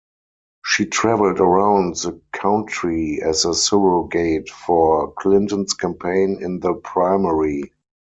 She traveled around the country as a surrogate for Clinton's campaign in the primary.